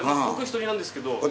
僕１人なんですけど。